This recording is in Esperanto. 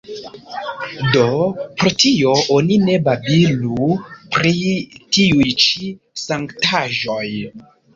Do pro tio oni ne babilu pri tiuj ĉi sanktaĵoj.